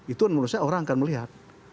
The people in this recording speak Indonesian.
itu menurut saya orang akan melihat